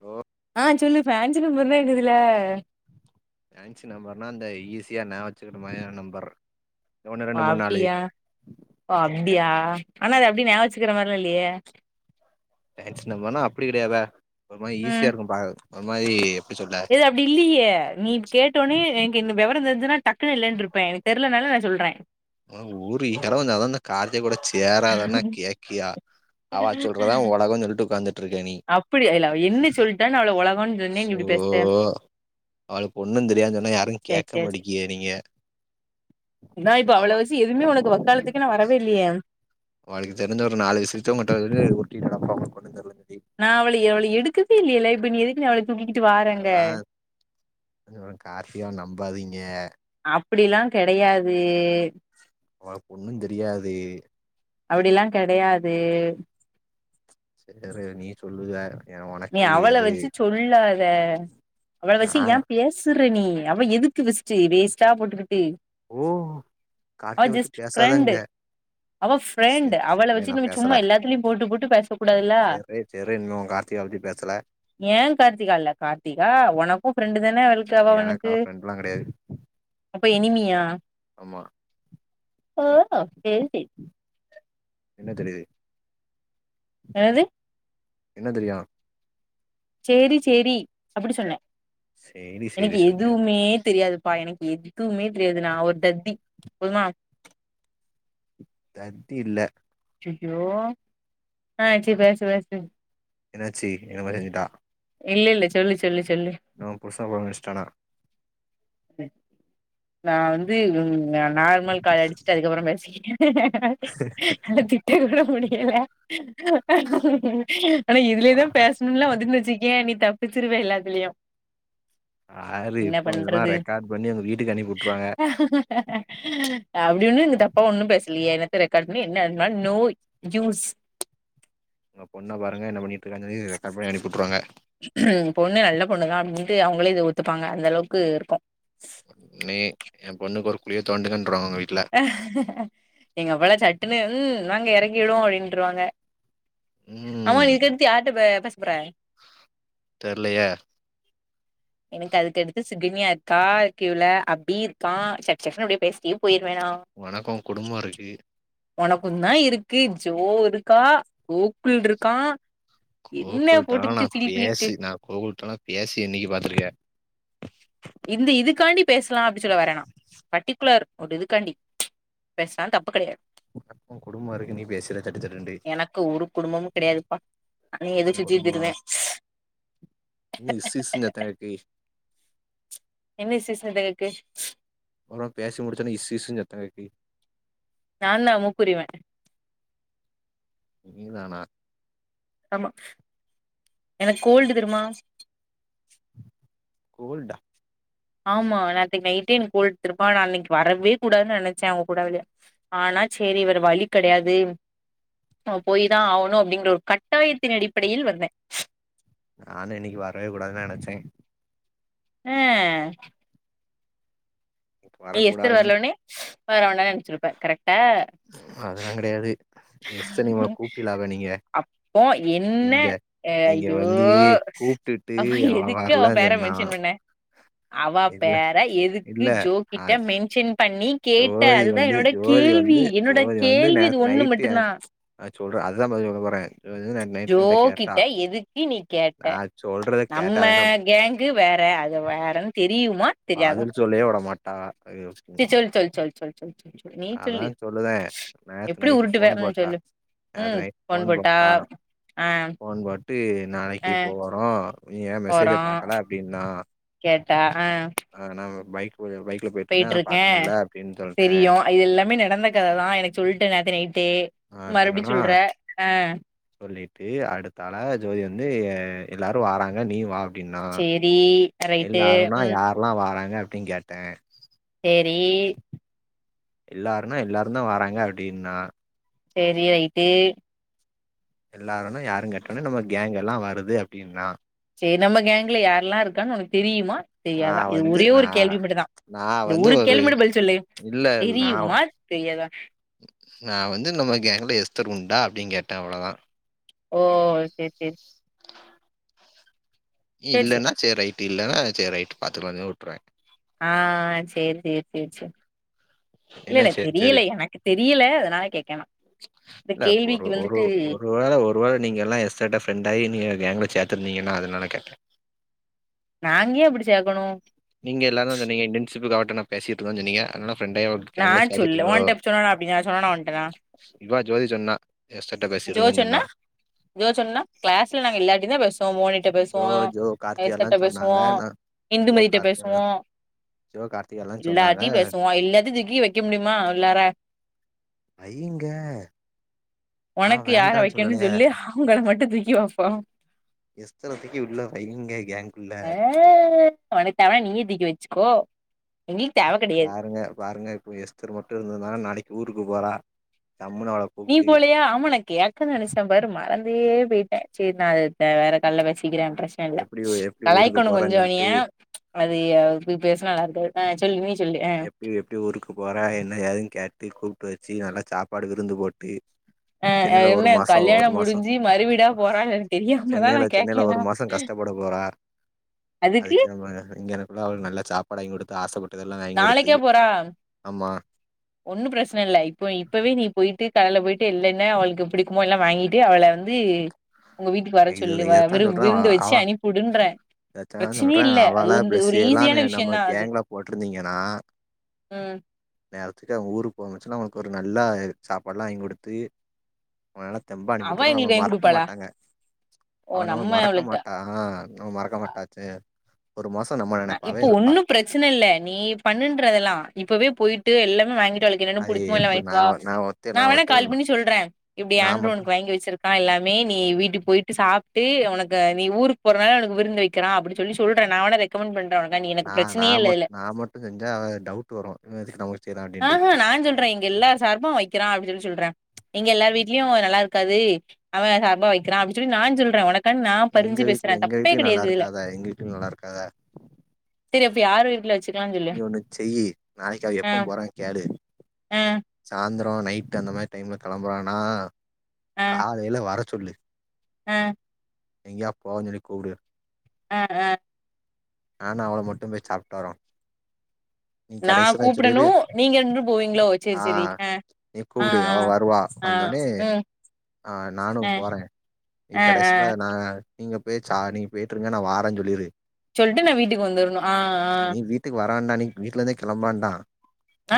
ஓ ஆ சொல்லு ஃபேன்சி நம்பர்லா இருந்துதில்ல ஃபேன்சி நம்பர்னா அந்த ஈஸியா ஞாவகோ வச்சுக்குற மாறியான நம்பர் ஒன்னு ஓ ரெண்டு மூணு நாலு அப்டியா ஓ அப்டியா ஆனா அது அப்டியே ஞவகோ வச்சுக்கிற மாதிரிலா இல்லயே ஃபேன்சி நம்பர்ன்னா அப்டி கெடையாதே ஒரு மாதிரி ஈஸியா ம் இருக்கு பாக்றக்கு ஒரு மாதிரி எப்டி சொல்ல இது அப்டி இல்லையே நீ கேட்ட ஒன்னயே எனக்கு இந்த விவரோ தெரிஞ்சுதுன்னா டக்குனு இல்லன்ருப்பே எனக்கு தெரியலனால நா சொல்றே ஆ ஊறி [unintelligible] கார்த்தி கூட சேராதன்னா கேக்கியா அவா சொல்றதா உலகோன்னு சொல்லிட்டு உட்காந்துட்டு இருக்கே நீ அப்டி ஏல அவ என்ன சொல்லிட்டான்னு அவள உலகம்னு சொன்னேன்னு சோ அப்டி பேசுத அவளுக்கு ஒண்ணும் தெரியாது னு சொன்னா யாரு கேக்க சேரி சேரி மாட்டக்கீங்க நீங்க நா இப்ப ஆமா அவள வச்சு எதுவுமே உனக்கு வக்காலத்துக்கே நா வரவே இல்லையே ஒனக்கு தெரிஞ்ச ஒரு நாலு விஷயத்த ஒங்கிட்ட விடு ஒட்டிட்டு கெடப்பா ஒனக்கு ஒன்னு தெரிலன்னு சொல்லி நா அவள அவளய எடுக்குவே இல்லையே லைப்ல இப்ப எதுக்கு நீ அவள தூக்கிகிட்டு வா அதா கார்த்திய நம்பாதீங்க அப்டிலா கெடையாது ஒனக் ஒண்ணு தெரியாது அப்டிலா கெடையாது பெறகு நீ சொல்லுவ ஏ நீ ஒனக்கு அவள எது வச்சு சொல்லாத அவள நா வச்சு ஏ பேஸ் வித்தரு நீ அவ எதுக்கு விஸ்ட்டு வேஸ்ட்டா போட்டுக்கிட்டு ஓ அவ கார்த்திய பத்தி ஜஸ்ட் பேசாதங்க ஃப்ரெண்ட்டு அவ ஃப்ரெண்ட் சேரி அவள சேரி நா வச்சு நம்ம பேசல சும்மா எல்லாத்துலயு போட்டு போட்டு பேச கூடாதுல்லா சேரி இன்னு உங் காத்திகா பத்தி பேசல ஏ கார்த்திகா இல்ல கார்த்திகா ஒனக்கு ஃப்ரெண்டு தான அவளுக்கு அவ எனக்கா ஒனக்கு ஃப்ரெண்ட்லா கெடையாது அப்ப எனிமியா ஆமா ஓ தெரிது என்ன தெரிது என்னது என்ன தெரியு சேரி சேரி அப்டி சொன்னே சேரி சேரி எனக்கு சொன்னியா எதுமே தெரியாது ப்பா எனக்கு எதுமே தெரியாது நா ஒரு தத்தி போதுமா தத்தி இல்ல சுய்யோ ஆ சேரி பேசு பேசு என்னாச்சி என்னமோ செஞ்சிட்டா இல்லெல்ல சொல்லு சொல்லு சொல்லு என்ன ஓ புருஷ ஃபோன் அடிச்சீடானா நான் வந்து ம் நார்மல் கால் அடிச்சுட்டு அதுகப்றோ பேசிக்கிற நல்லா திட்டு திருட முடியல ஆனா இதுலயே தா பேச இனிமேல்லா வந்துச்சு வச்சீகேய நீ தப்புச்சிருவ எல்லாதுலியு ஆரு இப்போ இதெல்லா பண்றது ரெக்கார்ட் பண்ணி வீட்டுக்கு அனுப்பி விட்டுருவாங்க அப்டி ஒன்னு இங்க தப்பா ஒன்னு பேசலியே என்னத்த ரெக்கார்ட் பண்ணி என்ன வேணுனாலு நோ யூஸ் உங்க பொண்ண பாருங்க என்ன பண்ணிட்டுக்கா சொல்லி ரெக்கார்டு பண்ணி அனுப்பிட்ருவாங்க பொண்ணு நல்ல பொண்ணுக அப்டின்ட்டு அவுங்களே இத ஒத்துப்பாங்க அந்த அளவுக்கு இருக்கு நே ஏ பொண்ணுக்கு ஒரு குளிய தோண்டுங்கன்றுவாங்க உங்க வீட்ல எங்க அப்பலா சட்டுன்னு ம் வாங்க எறக்கிடுவோ அப்டின்ருவாங்க ஆமா ம் இதுக்கெடுத்து யார்ட்ட பேசப்போற தெர்லயே எனக்கு அதுக்கடுத்து சிகினியா இருக்கா க்யூல அபி இருக்கா சக் சக்னு அப்டியே பேசிட்டே போயிருவேணா ஒனக்கு குடும்போ இருக்கு ஒனக்கு தா இருக்கு ஜோ இருக்கா கோக்குல் இருக்கா என்ன கோக்குல்ட்டனா போட்டுக்கிட்டு நா ஃபீல் பண்ணிக்கிட்டு பேசி நா கோக்குல்ட்டனா பேசி என்னைக்கு பாத்துருக்க இந்த இதுக்காண்டி பேசலா அப்டி சொல்ல வரனா பர்ட்டிகுலர் ஒரு இதுக்காண்டி பேசலா தப்பு கெடையாது அப்ப குடும்பமா இருக்கு நீ பேசல சட்டுச்சட்டுட்டு எனக்கு ஒரு குடும்பமு கெடையாதுப்பா எதோ உன் சுத்திட்டு திரிறே இன்னு இசிஸ் இன்னோ எத்தன இருக்கு என்ன சீசன் இதுல இருக்கு அப்றோ பேசி முடிச்சோன்னே இஸ் இஸ் சத்தங்கேக்கு நா தா முக்குரிவ நீதானா ஆமா எனக்கு கோல்டு தெரிமா கோல்டா ஆமா நேத்திக்கு நைட்டே எனக்கு கோல்டு தெரிமா நா இன்னைக்கு வரவே கூடாது நெனச்சே அவுங்க கூட வெளிய ஆனா சேரி வேற வழி கெடையாது நா போயிதா ஆகணு அப்டிங்கற ஒரு கட்டாயத்தின் அடிப்படையில் வந்த நானு இன்னிக்கி வரவே கூடாதுன் நெனச்ச அ இன்னைக்கு நீ எஸ்தர் வரக்கூடாதுன்னு வர்லொன்னே வர வேண்டான் நெனச்சுருப்ப கரெக்டா அதெல்லாங் கெடையாது எஸ்தர் நீங்க அவள கூப்டிலாக நீங்க அப்போ என்ன அ நீங்க ஐயோ வந்து கூப்பிட்டுட்டு அவ எதுக்கு அவ வரலன்னு பேர சொன்னான் மென்ஷன் பண் ண அவ இல்ல பேர எதுக்கு இல்ல ஜோ ஆ, கிட்ட மென்ஷன் பண்ணி கேட்ட ஜோதி அதுதா வந்து என்னோட ஜோதி கேள்வி வந்து என்னோட ஜோதி வந்து கேள்வி அது நேற்று ஒண்ணு மட் நைட்டு ட்டுன்னா நா சொல்றே அதுதா பா சொல்ல போறே ஜோ நைட்ல கேட்டா கிட்ட எதுக்கு நீ கேட்ட நா சொல்றத நம்ம கேட்டாதான கேங்கு வேற அது வேறன் தெரியுமா தெரியாதா பதில் சொல்லயே விட மாட்டா சேர் சொல் சொல் சொல் சொல் சொல் சொல் நீ அதா சொல்லு சொல்லுதே நேத்து எப்டி நைட்டு உருட்டுவ ஃபோன் ம் போட்டா சொல்லு நேத்து நைட் ஃபோன் போட்டா ஆ ஃபோன் போட்டு ஆ நாளைக்கு போவா அப்பறோ நீ ஏ மெசேஜ்ஜ போறோ பாக்கல அப்டின்னா கேட்டா ஆ ஆஹ் நான் பைக் பைக்ல ஆ ஆ ஆ நா பைக் ஓய பைக்ல போயிட்டு இருந்த அதுனால பாக்க முடில அப்டின் சொல்ட அ இது எல்லாமே நடந்த கததா எனக் சொல்ட்ட நேத்த நைட்டே ஆ மறுபடியு சொன்னனா சொல்ற ஆ சொல்லிட்டு அடுத்தாளா ஜோதி வந்து எல்லாரு வாறாங்க நீ வா அப்டின்னா சேரி ரைட்டு எல்லாருன்னா ம் யாரெல்லா வாராங்க அப்டின் கேட்ட சேரி எல்லாருனா எல்லாருந்தா வாராங்க அப்டின்னா சேரி ரைட்டு எல்லாருனா யாருங் கேட்டொன்னே நம்ம கேங் எல்லா வருது அப்டின்னா சேர் நம்ம கேங்ல யாரெல்லா இருக்கான் உனக் தெரியுமா நா தெரியாதா இது வந்து ஒரே நா ஒரு கேள்வி மட்டுதா நா இந்த வந்து ஒரு கேள்வி மட்டு பதில் சொல்லு இல்ல நா தெரியுமா தெரியாதா நா வந்து நம்ம கேங்ல எஸ்தர் உண்டா அப்டிங் கேட்ட அவ்வளோதா ஓ சேர் சேரி சேரி சேரி இல்லன்னா சேர் ரைட்டு இல்லன்னா சேர் ரைட்டு பாத்துக்கலான் சொல்லி உட்ருவ ஆ சேரி சேரி சேரி சேரி என்ன இல்லல்ல சேரி சேரி தெரியல எனக்கு தெரியல அதனால கேக்கற நா இந்த இல்ல ஒரு கேள்விக்கு ஒரு வந்துட்டு ஒரு வேள ஒரு வேள நீங்க எல்லா எஸ்தர்ட ஃப்ரெண்டாயி நீங்க கேங்குல சேத்தருந்தீங்கன்னா அதனால கேட்ட நாங்க ஏ அப்புடி சேக்கணு நீங்க எல்லாரு சொன்னீங்க இன்டென்ஷிப்புக்கு அவ கிட்ட நா பேசிட்டுருந்தன் சொன்னீங்க அதனால ஃப்ரெண்டாய் அவக் நா சொல்ல ஓன்ட்ட சொன்னனா அப்டினு சொன்னனா உன்ட்ட நா இப்பதா ஜோதி சொன்னா எஸ்தர் ஜோதி சொன்னா ஜோதி சொன்னா கிளாஸ்ல நாங்க எல்லாருட்டையுந்தா பேசுவோ மோனிட் ட்ட பேசுவோ ஜோ ஜோ கார்த்தி எல்லா எஸ்தர்ட்ட பேசுவோ சொன்னாங்க நா இந்துமதிட்ட பேசுவோ சிவ கார்த்திகயெல்லா எல்லாருட்டையு பேசுவோ எல்லாத்தையு தூக்கி வெக்க முடியுமா எல்லார வைங்க நா ஒனக்கு யார வேண்டான்னு சொல்லல வெக்கணுன் சொல்லு அவங்கள மட்டு தூக்கி வெப்போ எஸ்தர தூக்கி உள்ள வைங்க கேங்குள்ள ஒனக் தேவனா நீயே தீக்கி வச்க்கோ எங்ளுக் தேவ கடி வாருங்க வாருங்க இப்போ எஸ்தர் மட்டு இருந்துதுனா நளைக்கி ஊருக்கு போறா டம்முனு அவள நீ கூப்ட்டு போலயா ஆமா நா கேக் க்க நெனச்சா பாரு மறந்தே பெயிட்ட சேரி நா அதுகுட்ட வேற கால்ல பேசிக்கிற ட்ரஷ் எல்ல எப்டி எப்டி ஊருக்கு கலாய்கணு கொஞ்ச போறன்னு இனிய சொல்ட்டு அது எ இப்பி பேஸ நல்லார்க்காது அ சொல்லி நீ சொல்லி அ இது எப்டி ஊருக்கு போற என்ன ஏதுன் கேட்டு கூப்ட்டு வச்சு நல்லா சாப்பாடு விருந்து போட்டு அ அ சென்னைல ஒரு என்ன மாசோ கல்யாண ஒரு மாசோ முடிஞ்சு மறு வீடா போறாங்கனு தெரியாமதா நா கேக்கேனா போட போறா அதுக்கு நம்ம இங்கனுக்குள்ள அவுளுக் நல்ல சாப்பாடாங் குடுத்து ஆசப்பட்டுத ல்லா வாங் குடுத்து நாளைக்கே போறா ஆமா ஒன்னு பிரச்சன இல்ல இப்போ இப்பவே நீ பொயிட்டு கடைல பொயிட்டு எல்லென்ன அவள்க்கு பிடிக்குமோ எல்லா வாங்ட்டு அவள வந்து ஒங்க வீட்டுக்கு வர இது சொல்லு வ விரு விருந்து வெச்சு அனுப்புடுன்ற அததா சொல்ற அவள ப்ளளி எல்லா ஈஸியான நே விஷயந்தா நம்மள அது கேங்ல போட்ருந்தீங்கனா ம் நேரத்துக்கு அவுங்க ஊருக் போங்கன் சொன்னா அவ்ங்களுக்கு ஒரு நல்லா அது சாப்பாட்லா வாங் குடுத்து அவங் நல்லா தெம்பா அனுப்பி அவ உட்ருக்கா நம்மள எங்களுக்கு வாங்கி மறக்க குடுப்பாளா மாட்டாங்க ஓ அவ நம்ம நம்முளுக் மறக்க அவளுக்கு மாட்டா நம்ம மறக்க மாட்டாச்சே ஒரு மாசோ நம்ம அ இப்ப ஒன்னு பிரச்சனை இல்ல நீ பண்ணுன்றதெல்லா இப்பவே பொயிட்டு எல்லாமே வாங்கிட் டு அவ்ளுக்கு என்னன்ன அது புடிக்குமோ எல்லா எப்படி வாங்கிட் வா நான் நான் ஒத்தே நா நான் வேணா ஒத்தே கால் பண்ணி சொல்றே இப்டி நான் மட்டும் ஆன்ட்ரோனுக்கு வாங்கி வெச்சிரு கா எல்லாமே நீ வீட்டுக் பொயிட்டு சாப்ட்டு உனக்கு நீ ஊருக் போறனால ஒனக்கு விருந்து வெக் கெனா அப்புடி சொல்லி சொல்றே நா வேணா ரெக் கமன் பண்ற ஒனக்குனா நீ என் நா நா மட் நா மட்டு செஞ்சா அவ டவுட் வரு இவ எதுக்கு நம்முளுக் அ ஹ நா சொல்ற இங்க எல்லார் சார்பாவ் வக்கிறா அப்டின் சொல்லி சொல்ற எங்கெ எல்லார் வீ்ட்லயு இத் நல்லார்க்காது அவ சார்பா வக்கிறா அப்டின்சொல்லி நா சொல்ற ஒனக் கன் நா பறிஞ்சு பேசுற தப்பே கடையாது இதுல த எங்க வீட்டுக் நல்லார்க்காங்க சேரி அப்ப யார் வீட்ல வெச் நீ ஒன்னு செய்யி நாளைக் அவ ஆ எப்பம் போறா கேளு ஆ சாந்தரோ நைட்டு் அந்த மாரி டைம்ல கெம்புறானா காலைல வர சொல்லு அ எங்யா போவஞ்சொல்லி கூவுடு அ அ நானு அவளு மட்டு பேய் சாப்ட்டு வரோ நீ நா கடைசில கூப்புடணு சொல்லிரு நீங்க இரண்ரு போவீங்ளோ சேர் ஆ செரி அ நீ கூப்புடு அவ வருவா வந்தோனே ம் அ நானு போறே நீ ஆ ஆ ஆ கடைஸ்ல நா நீங்க போச்சா நீங்க பெய்ட்டுருங்க நா வார சொல்லிரு சொல்ட்டு நா வீட்டுக் வந்துர்ணு அ அ டுக் வரவான்டா நீ வீட்லர்ந்தே களம்லாண்டா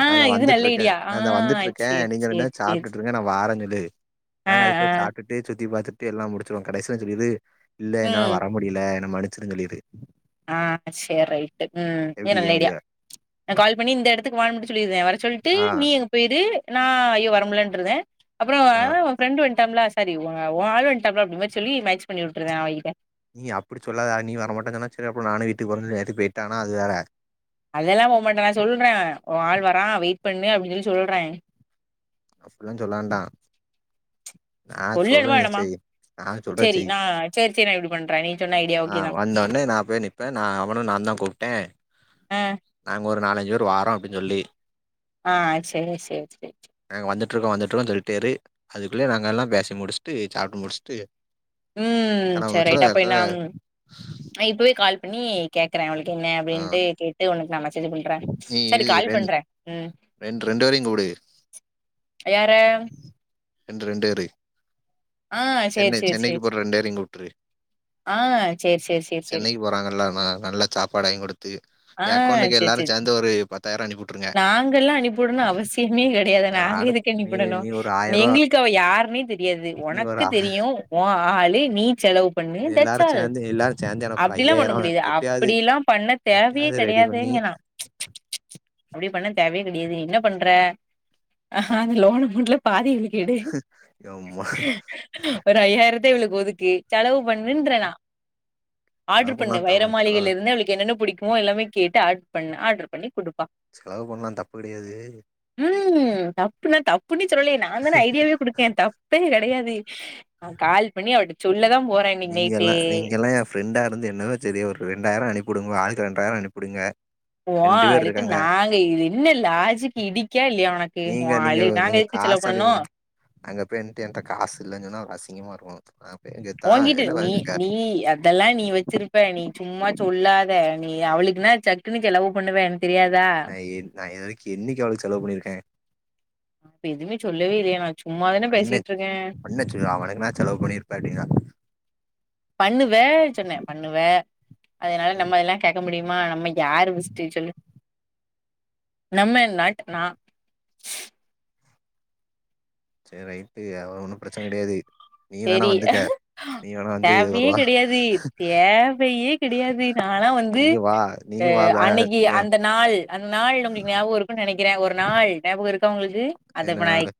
ஆ அ த இது நல்ல வந்துட்ருக்க ஐடியா ஆ அத் தா வந்துட்ருக்கே சேரி நீங்க ரெண்டு சேரி சேரி சாப்ட்டுட்ரு அ வாரஞ்சு சொல்லு ஆ நாங்க ஆ அதுக்குள்ள சாப்ட்டுட்டு சுத்தி பாத்துட் எல்லா முடிச்சுருவோ கடைசில சொல்லிரு இல்ல என்னால ம் வர முடிய்ல என்ன மனிசிடுன் சொல்லிரு ஆ செரி ரைட்டு ம் இது எப்டி ஏ நல்ல ஐடியா நா கால் பண்ணி இந்த எடத்துக்கு வான் மட்டு சொல்லிற்த வர சொல்ட்டு ஆ நீயகம் போயிறு நா ஐயோ வரமுல்லன்ருத அப்றம் அ ஆ ஓ ஃப்ரெண்டு வன்டாமில செரி ஒ ஒ ஆள் வன்டா அப்டி மாரி சொல்லி மேச் பண்ணி விட்ருற அவங்கிட்ட நீ அப்டி சொல்லாதா நீ வர மாட்டனு சொன்னா செரி அப்ப நானு வீட்டுக்குபடட் போறனு சொல்லி போயிட்டனா அது வேற அதெல்லா போ மாடா நா சொல்ற ஓ ஆள் வரா வெயிட் பண்ணு அப்டின்னு சொல்லி சொல்ற அப்பில்லா சொல்லவேண்டா நா சொல்லணுமா சொல்றது நீ வேணாமா செய் நா சொல்றத சேரி செய் நா சேரி சேரி நா இப்டி பண்றே நீ சொன்ன ஐடியா ஆ ஓகேதா வந்தோனே நா போய் நிப் ப நா அவனு நாந்தா கூப்ட அ நாங்க ஒரு நாலஞ்சி பேரு வாரோ அப்டின்னு சொல்லி ஆ செ செ செ நாங்க வந்துட்டுருக்கோ வந்துட்டுருக்கோ சொல்லிட்டேரு அதுக்குள்ள நாங்கெல்லாபேசி முடிச்ட்டு சாப்ட்டு முடிச்ட்டு ம் சேரி ரைட்டு அப்ப என்ன ஆம் இப்பவே கால் பண்ணி கேக்ற அவளுக்கென்ன ஆ அப்டின்னு கேட்டு ஒனக்கு நா மெசேஜு பண்ற நீ இரு ரெண் ரெண்டு ரெண்டுவேரையு கூப்டு யார ரெண்டு ரெண்டு வேரு ஆ சேரி சென்னை சேரி சென்னைக்கு சேரி போற ரெண்டேரயு கூட்ரு ஆ சேரி சேரி சேரி சேரி சென்னைக்கி போறாங்கல்ல நா நல்லத் சாப்பாடு வாங்கிடுத்து ஆ ஏ அக்கௌண்டக்கு சேரி எல்லாரு சேரி சேந்து ஒரு பத்தாயி அனுப்பி உட்டுருங்க நாங்கல்லா அனுப்புடணு அவசியமே கட் எத நாங்க அனுப் எதுக்கு நீ அனுப்புடனு நீ ஒரு ஆயரூவா எங்ளுக்கு அவ யாருன்னே தெரியாது நீ ஒரு ஒனக்கு தெரியு ஓ ஆளு நீ செலவு பண்ணு தட்சால் ஏ எல்லாரு சேந்துயனோ அப்டிலா பண்ண முடியாது அப்டிலா பண்ண தேவயே எப்டியாவது ரெடி பண்ணி கெடையாதுங்க நா அப்டி பண்ண தேவ கெடையாது என்ன பண்ற அஹா லோனு அமோன்ட்ல பாதி இவுளுங்க்கு எடு எம்மா ஒரு ஐயாயிரத்த இவளுக்கு ஒதுக்கு செலவு பண்ணுன்ற நா செலவு ஆர்டரு பண்ணு பண்ணலா த வைர செலவு மாளிகிலேருந்து அவளுக்கு என்னென்ன புடிக்குமோ எல்லாமேகேட்டு ஆடர் பண்ண ஆடர் பண்ணி குடுப்பா செலவு பண்லா தப்பு கெடையாது ம் தப்புனா தப்புன்னு சொல்லலயே நா தான ஐடியாவே குடுக்கே தப் ப்பே கெடையாது நா கால் பண்ணி அவள்ட்ட சொல்லதா போறே இன்னக்கி நைட்டு நீங்கெல்லா நீங்கெல்லா எ ஃப்ரெண்டா இருந்து என்னதா செய்றீயோ ஒரு ரெண்டாயிரோ அனுப்பு டுங்கோ ஆளுக்கு ரெண்டாயிரோ அனுப்புடுங்க ஓ ஆளுக்கு நாங்க இது என்ன லாஜிக்கு இடிக்கா இல்லயா ஒனக்கு ஓ நீங்க நீங்க ஆளு நாங்க நீங்க எது க்கு செலவு காசு பண்ணுனோ அனுப்புங்க அங்க பேயி நின்ட்டு என்ட்ட காசு இல்ல சொன்னா அப்ற அரசிங்கமா இருக்கு அதா அப்டியே கெத் ஓங்கிட்ட நீ நீ அ தெல்லா நீ வச்சிருப்பே நீ சும்மா சொல்லாத நீ அவளுக்குனா சக்குனு செலவு பண்ணுவ எனக்கு தெரியாதா ஏ நா எதுவரைக்கு என்னைக்கு அவளுக்கு செலவு பண்ணிருக்க இப்ப எதுமே சொல்லவே இல்லயே நா சும்மாதான பேசிட்டுருக்க என்ன சொ அவளுக்குனா செலவு பண்ணிருப்ப அப்டிகா பண்ணுவ சொன்ன பண்ணுவ அதனால நம்ம அதெல்லா கேக்க முடிமா நம்ம யாரு ஃபர்ஸ்ட் சொல்லு நம்ம நாட் நா சரி ரைட்டு அவ ஒன்னு பிரச்சன கெடையாது நீ வேணா சேரி வந்துக்க நீ வேணா வந்து ஒரு தேவையே வா கெடையாது தேவையே கெடையாது நாலா வந்து நீ வா நீ ஆ வா வே அன்னக்கி ஏ அந்த நாள் அந்த நாள் ஒங்ளுக்கு ஞாபகொ இருக்குன்னு நெனைக்கிறே ஒரு நாள் ஞாபக இருக்கா ஒங்களுக்கு அதப்ப நா என்னனாலு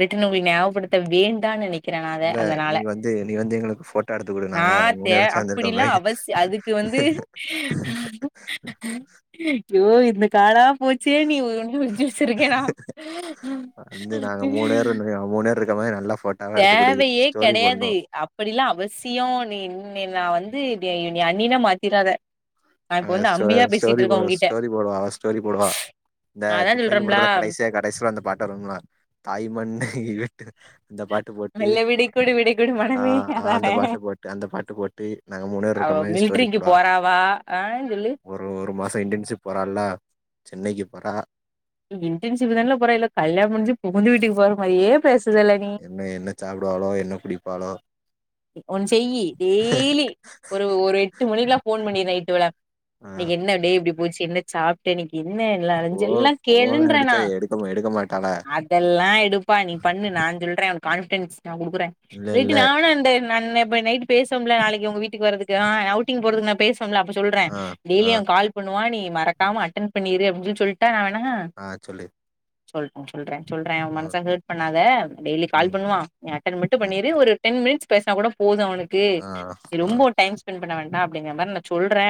ரிட்டனு ஒங்ளுக்கு ஞாபகப்படுத்த வேண்டா நெனைக் க்கிற அத இல்ல அதனால நீ வந்து நீ வந்து எங்களுக்கு ஃபோட்டோ எடுத்து குடு நா நாங்க மூணு த்தே பேரு சேந்திருக்க அப்டிலா மாரி அவசி அதுக்கு வந்து ஐயோ இந்த காலா போச்சே நீ ஒண்ணு விச்சு வச்சிருக்கேனா வந்து நாங்க மூணு பேரு மூணு வெர இருக்கமாரி நல்லா பட் தேவையே கெடையாது அப் அப்டிலா அவசியொ நீ நீ நா வந்து நீ அன்னியனா மாத்திராத நா ஆ இப்ப வந்து ஸ்டோ அம்பியா பேசிட்டு ஸ்டோரி போ இருக்கே உங்கிட்ட ஸ்டோரி போடுவா அவ ஸ்டோரி போடுவா இந்த நா அதா துப்பாக்கி சொல்றேன்ல படத்துல கடைசியா கடைசியில அந்த பாட்டு வரும்ல தாய் மண்ண விட்டு அந்த பாட் டு போட்டி மெல்ல விடை கொடு விடை கொடு ஆ மனமே அந்த அதானே பாட்டு போட்டு அந்த பாட்டு போட்டி நாங்க மூணு பேரு இருக்க மாரி ஸ்டோரி போடா வா ஆ சொல்லு ஒரு ஒரு மாச இன்டர்ன்ஷிப் போரான்ல சென்னைக்கு போறா இன்டர்ன்ஷப் தானல போறா இல்ல கல்யாணம் முஞ்சு புகுந்து வீட்டுக்கு போற மாரியே பேசுதுல்ல நீ என்ன என்ன சாப்டுவாலோ என்ன குடிப்பாலோ ஒன் செய்யி டெய்லி ஒரு ஒரு எட்டு மணிக்குல்லா போன் பண்ணியிரு நைட்டு வல ஆ என்னைக்கு என்ன டே இப்டி போச்சு என்ன சாப்ட்டுன்க்கி என்ன ல போ அழிச்சு எல்லா போன் கேளுன்றனா அடிச்சா எடுக்க எடுக்க மாட்டாளா இதெல்லா எடுப்பா நீ பண்ணு நா சொல்றே கான்பிடென்ஸ் நா குடுக்குறே இல்ல இல்ல இல்லாட்டி நா வேணா அந்த நான் நா இப்ப நைட் பேசும்ல நாளைக்கு உங்க வீட்டுக்கு வரதுக்கு அவுட்டிங் போறதுக்கு நா பேச சொல்லல அப்ப சொல்றே ஆ டெய்லி ஆ அவ கால் பண்ணுவா நீ மறக்காம அட்டன் பண்ணிரு அப்படின்னு சொல்லிட்டா நா வேணா ஆ சொல்லு சொல்றே சொல்றே சொல்றே ஊ ம் மனச ஹார்ட் பண்ணாத டெய்லி கால் ம் பண்ணுவா நீ அட்டன் மட்டு ம் பண்ணரு ஒரு டென் மினிட்ஸ் பேசுனா கூட போது அவனுக்கு ஆ ஆ ரொம்ப டைம் ஸ்பெண்ட் பண்ண வேண்டா அப்டிங்க மாரி நா சொல்றே